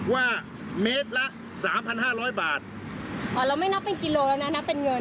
ว่าเมตรละสามพันห้าร้อยบาทอ๋อเราไม่นับเป็นกิโลแล้วนะนับเป็นเงิน